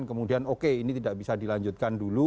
kemudian oke ini tidak bisa dilanjutkan dulu